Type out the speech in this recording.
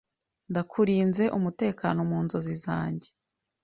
Ndakurinze umutekano mu nzozi zanjye.